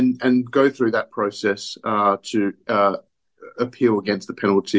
dan lakukan proses itu untuk menuduh terhadap penalti